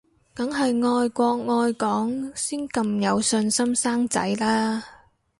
梗係愛國愛港先咁有信心生仔啦